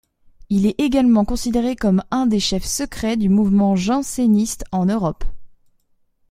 Il est également considéré comme un des chefs secrets du mouvement janséniste en Europe.